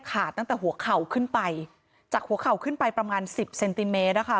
ตั้งแต่หัวเข่าขึ้นไปจากหัวเข่าขึ้นไปประมาณสิบเซนติเมตรนะคะ